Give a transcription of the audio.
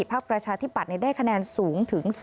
ภักดิ์ประชาธิบัตรได้คะแนนสูงถึง